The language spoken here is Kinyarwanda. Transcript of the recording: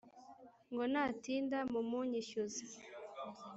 ngo natinda mumunyishyuze